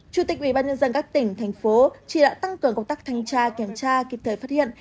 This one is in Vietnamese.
chủ tịch ubnd các tỉnh thành phố chỉ đạo tăng cường công tác thanh tra kiểm tra kịp thời phát hiện